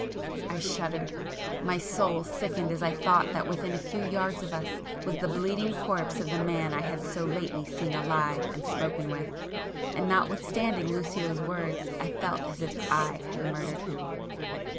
'" I shuddered. My soul sickened as I thought that within a few yards of us was the bleeding corpse of the man I had so lately seen alive and spoken with,—and notwithstanding Lucio's words I felt as if I had murdered him.